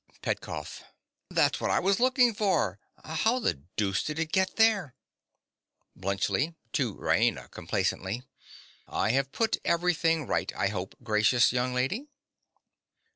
_) PETKOFF. That's what I was looking for. How the deuce did it get there? BLUNTSCHLI. (to Raina complacently). I have put everything right, I hope, gracious young lady!